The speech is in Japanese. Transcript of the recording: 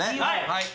はい！